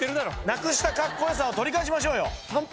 なくしたカッコ良さを取り返しましょうよ。